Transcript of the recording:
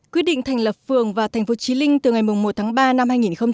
quyết định thành lập phường và thành phố trí linh từ ngày một tháng ba năm hai nghìn hai mươi